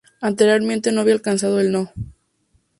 Anteriormente había alcanzado el No.